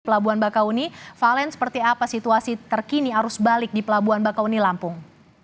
pelabuhan bakau uni valen seperti apa situasi terkini arus balik di pelabuhan bakau uni lampung